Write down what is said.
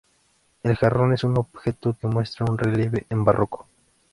El jarrón es un objeto que muestra un relieve en barroco.